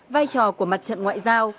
vai trò của mặt trận ngoại giao